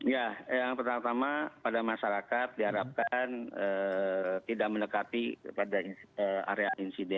yang pertama pada masyarakat diharapkan tidak menekati pada area insiden